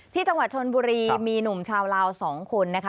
ที่จังหวัดชนบุรีมีหนุ่มชาวลาว๒คนนะคะ